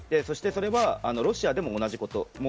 そしてそれはロシアでも同じこと。